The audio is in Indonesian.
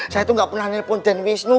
saya tuh gak pernah nepon den wisnu